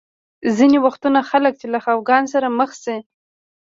ځینې وختونه خلک چې له خفګان سره مخ شي.